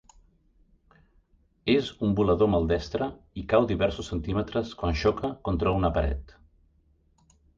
És un volador maldestre i cau diversos centímetres quan xoca contra una paret.